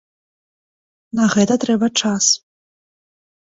На гэта трэба час.